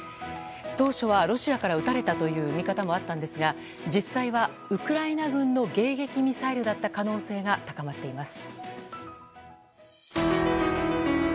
当初はロシアから撃たれたという見方もあったんですが実際はウクライナ軍の迎撃ミサイルだった可能性が高まっています。